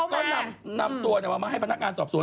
ก็นำตัวมาให้พนักงานสอบสวน